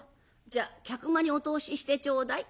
じゃあ客間にお通ししてちょうだい」。